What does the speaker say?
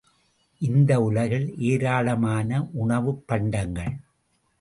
இந்த உலகில் ஏராளமான உணவுப் பண்டங்கள்!